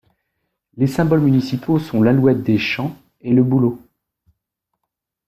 Les symboles municipaux sont l'alouette des champs et le bouleau.